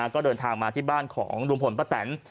ก็เดินทางมาที่บ้านของลุงพลป้าแตน